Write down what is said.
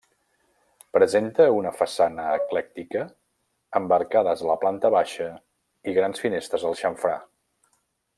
Presenta una façana eclèctica amb arcades a la planta baixa i grans finestres al xamfrà.